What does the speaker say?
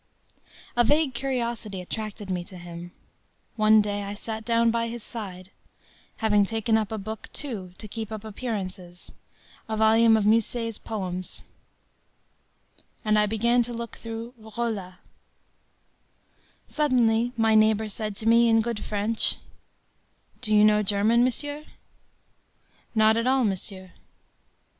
A vague, curiosity attracted me to him. One day, I sat down by his side, having taken up a book, too, to keep up appearances, a volume of Musset's poems. And I began to look through “Rolla.” Suddenly, my neighbor said to me, in good French: “Do you know German, monsieur?” “Not at all, monsieur.